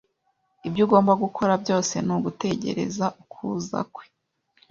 Ibyo ugomba gukora byose ni ugutegereza ukuza kwe.